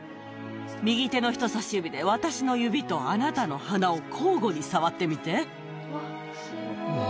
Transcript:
右手の人さし指で私の指とあなたの鼻を交互に触ってみて。